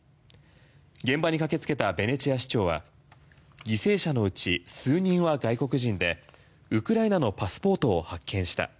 現場に駆けつけたベネチア市長は犠牲者のうち数人は外国人でウクライナのパスポートを発見した。